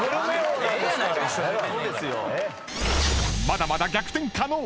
［まだまだ逆転可能］